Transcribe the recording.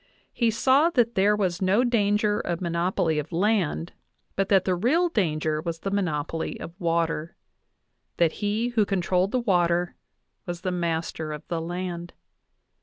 He saw that there was no danger of monopoly of land, but that the real danger was the monopoly of water that he who controlled the water was the master of the land.